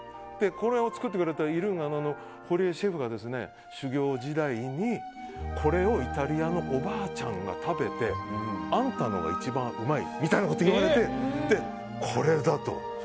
これを作ってくれたｉ‐ｌｕｎｇａのシェフが修業時代にこれをイタリアのおばあちゃんが食べてあんたのが一番うまいって言われて、これだと。